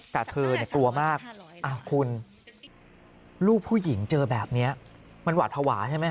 แต่เธอกลัวมากคุณลูกผู้หญิงเจอแบบนี้มันหวาดภาวะใช่ไหม